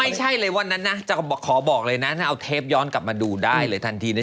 ไม่ใช่เลยวันนั้นนะจะขอบอกเลยนะถ้าเอาเทปย้อนกลับมาดูได้เลยทันทีนะ